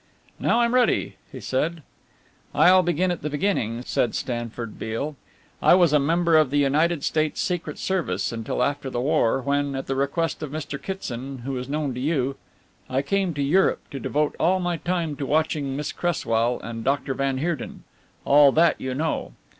"Now I'm ready," he said. "I'll begin at the beginning," said Stanford Beale. "I was a member of the United States Secret Service until after the war when, at the request of Mr. Kitson, who is known to you, I came to Europe to devote all my time to watching Miss Cresswell and Doctor van Heerden. All that you know.